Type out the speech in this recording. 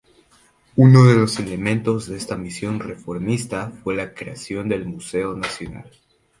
Uno de los elementos de esta misión reformista fue la creación del museo nacional.